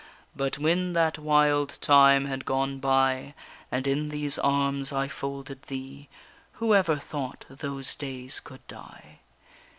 _ But when that wild time had gone by, And in these arms I folded thee, Who ever thought those days could die?